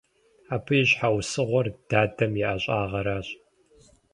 Абы и щхьэусыгъуэр дадэм и ӀэщӀагъэращ.